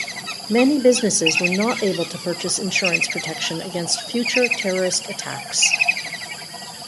Many businesses were not able to purchase insurance protection against future terrorist attacks.